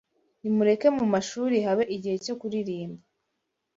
Nimureke mu mashuri habe igihe cyo kuririmba